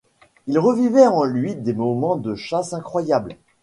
Il revivait en lui des moments de chasse incroyable.